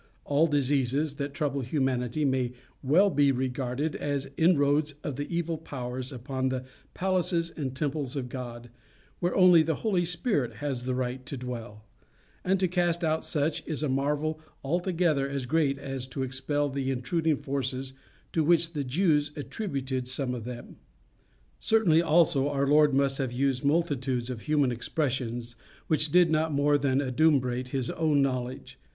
All diseases that trouble humanity may well be regarded as inroads of the evil powers upon the palaces and temples of God, where only the Holy Spirit has a right to dwell; and to cast out such, is a marvel altogether as great as to expel the intruding forces to which the Jews attributed some of them. Certainly also our Lord must have used multitudes of human expressions which did not more than adumbrate his own knowledge.